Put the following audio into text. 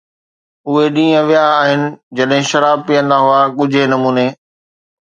اهي ڏينهن ويا آهن جڏهن شراب پيئندا هئا ڳجهي نموني